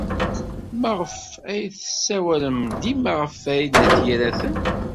Maɣef ay tessawalem dima ɣef Farid n At Yiraten?